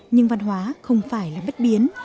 nhưng văn hóa không phải là bất biến